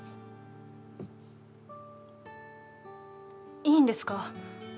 いいんですか？